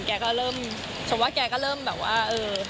แกก็เริ่มชมว่าแกก็เริ่มแบบว่า